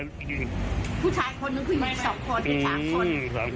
ได้ผู้ชายคนนึงผู้หญิงสองคนและสองคน